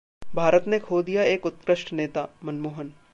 भारत ने खो दिया एक उत्कृष्ट नेता: मनमोहन